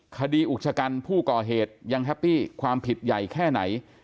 อุกชะกันผู้ก่อเหตุยังแฮปปี้ความผิดใหญ่แค่ไหน